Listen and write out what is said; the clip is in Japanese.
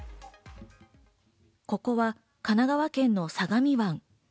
ここは神奈川県の相模湾。